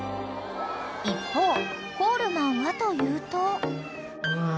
［一方コールマンはというと］